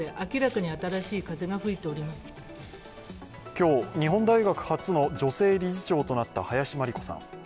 今日、日本大学初の女性理事長となった林真理子さん。